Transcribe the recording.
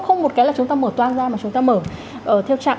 không một cái là chúng ta mở toan ra mà chúng ta mở theo trạm